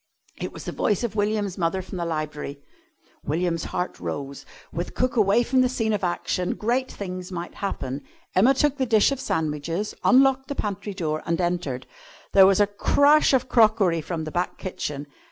It was the voice of William's mother from the library. William's heart rose. With cook away from the scene of action great things might happen. Emma took the dish of sandwiches, unlocked the pantry door, and entered. There was a crash of crockery from the back kitchen.